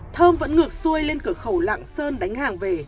thơm vẫn ngược xuôi lên cửa khẩu lạng sơn đánh hàng về